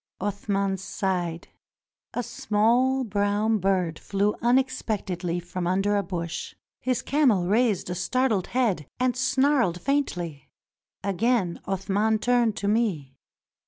Athman sighed. A small brown bird flew unexpect edly from under a bush. His camel raised a startled head and snarled faintly. Again Athman turned to me.